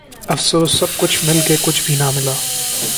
افسوس سب کچھ مل کے کچھ بھی ناں ملا